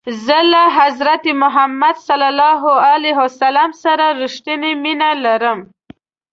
زه له حضرت محمد ص سره رښتنی مینه لرم.